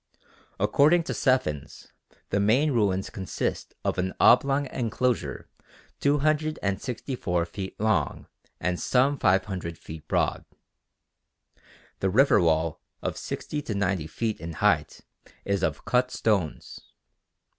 According to Stephens, the main ruins consist of an oblong enclosure 624 feet long and some 500 feet broad. The river wall of sixty to ninety feet in height is of cut stones.